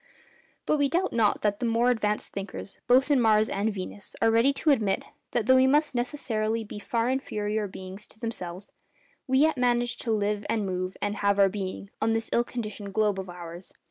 But we doubt not that the more advanced thinkers both in Mars and Venus are ready to admit that, though we must necessarily be far inferior beings to themselves, we yet manage to 'live and move and have our being' on this ill conditioned globe of ours.